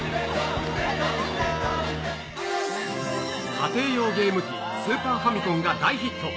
家庭用ゲーム機、スーパーファミコンが大ヒット。